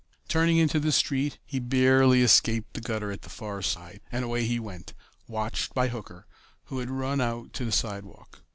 Turning into the street, he barely escaped the gutter at the far side, and away he went, watched by Hooker, who had run out to the sidewalk.